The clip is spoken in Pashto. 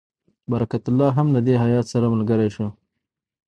برکت الله هم له دې هیات سره ملګری شو.